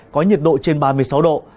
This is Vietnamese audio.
có nhiệt độ trên ba mươi sáu độ